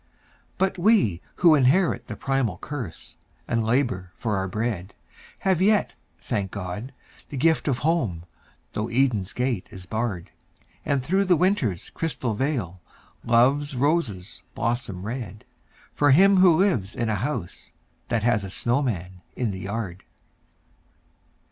But we who inherit the primal curse, and labour for our bread, Have yet, thank God, the gift of Home, though Eden's gate is barred: And through the Winter's crystal veil, Love's roses blossom red, For him who lives in a house that has a snowman in the yard.